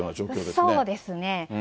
そうですね。